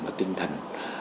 và tinh thần